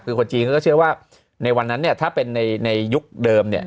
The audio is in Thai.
คือคนจีนก็เชื่อว่าในวันนั้นเนี่ยถ้าเป็นในยุคเดิมเนี่ย